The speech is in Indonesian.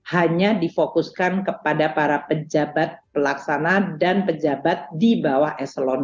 hanya difokuskan kepada para pejabat pelaksana dan pejabat di bawah eselon dua